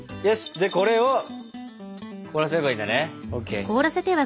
でこれを凍らせればいいんだね。ＯＫ。